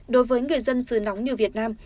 đối với người dân sư nóng như việt nam